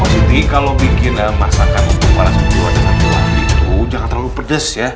pos siti kalau bikin masakan untuk para santriwanda santriwati itu jangan terlalu pedes ya